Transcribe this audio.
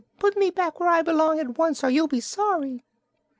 Put me back where I belong, at once, or you'll be sorry!"